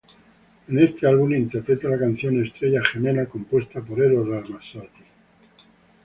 En este álbum interpreta la canción "Estrella Gemela", compuesta por Eros Ramazzotti.